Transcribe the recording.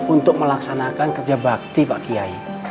untuk melaksanakan kerja bakti pak kiai